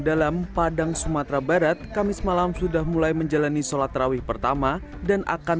dalam padang sumatera barat kamis malam sudah mulai menjalani sholat rawih pertama dan akan